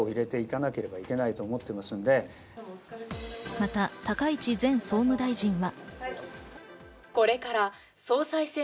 また高市前総務大臣は。